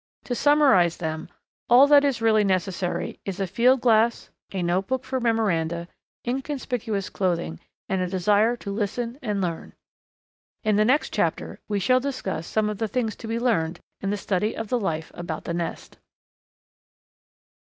To summarize them, all that is really necessary is a field glass, a notebook for memoranda, inconspicuous clothing, and a desire to listen and learn. In the next chapter we shall discuss some of the things to be learned in the study of the life about the nest.